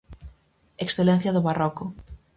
Excelencia do barroco.